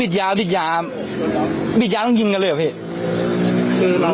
บิดยาบิดยาบิดยาต้องยิงกันเลยอ่ะเพราะพี่คือมัน